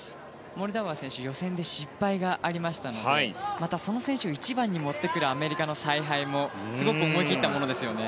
モルダウアー選手は予選で失敗がありましたのでまたその選手を１番に持ってくるアメリカの采配もすごく思い切ったものですよね。